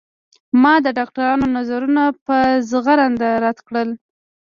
ما د ډاکترانو نظرونه په زغرده رد کړل.